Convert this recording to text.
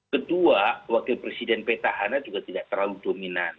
kedua wakil presiden petahana juga tidak terlalu dominan